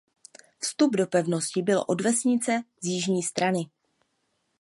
Vstup do pevnosti byl od vesnice z jižní strany.